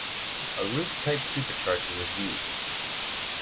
A Roots-type supercharger was used.